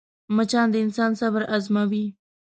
مچان د انسان صبر ازموي